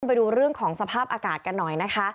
ไปดูเรื่องของสภาพอากาศกันหน่อยนะคะ